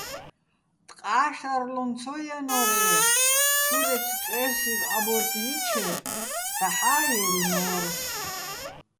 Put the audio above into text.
ტყა́ შარლუჼ ცო ჲანო́რე́, ჩურეჩო̆ წე́სივ აბორტ ჲიჩე, დაჰ̦ა́ ჲაჲლნო́რ.